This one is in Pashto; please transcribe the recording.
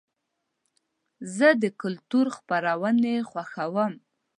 زه د کلتور خپرونې خوښوم.